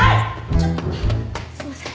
ちょっとすいません